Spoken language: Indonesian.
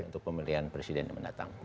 untuk pemilihan presiden mendatang